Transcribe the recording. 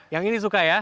yang ini suka ya